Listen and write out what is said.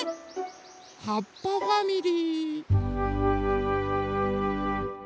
はっぱファミリ−。